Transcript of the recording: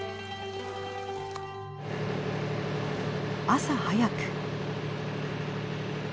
朝早く。